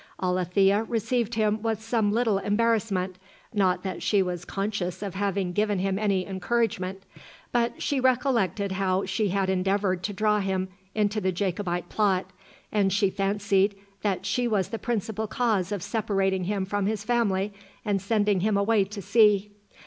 Alethea received him with some little embarrassment, not that she was conscious of having given him any encouragement; but she recollected how she had endeavoured to draw him into the Jacobite plot, and she fancied that she was the principal cause of separating him from his family and sending him away to sea.